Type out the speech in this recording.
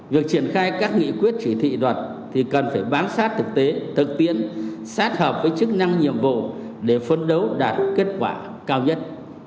việc triển khai các nghị quyết chỉ thị luật thì cần phải bám sát thực tế thực tiến sát hợp với chức năng nhiệm vụ để phấn đấu đạt kết quả cao nhất